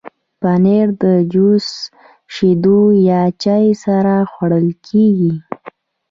پنېر د جوس، شیدو یا چای سره خوړل کېږي.